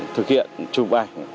thực hiện chụp ảnh